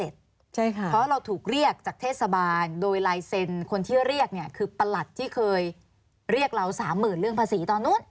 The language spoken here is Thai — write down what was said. เพราะเราถูกเรียกจากเทศบาลโดยลายเซ็นคนที่เรียกเนี่ยคือประหลัดที่เคยเรียกเรา๓๐๐๐เรื่องภาษีตอนนู้น